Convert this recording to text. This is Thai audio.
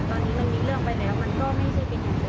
ตอนนี้มันมีเรื่องไปแล้วมันก็ไม่ใช่เป็นอย่างนั้น